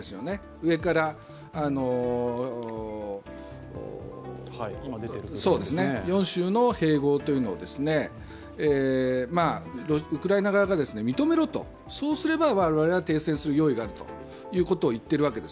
上から４州の併合というのをウクライナ側が認めろと、そうすれば我々は停戦する用意はあると言っているわけです。